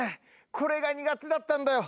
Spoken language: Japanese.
これが苦手だったんだよ